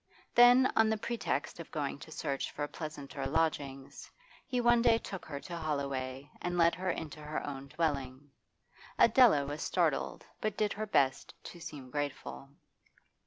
Then, on the pretext of going to search for pleasanter lodgings, he one day took her to Holloway and led her into her own dwelling. Adela was startled, but did her best to seem grateful.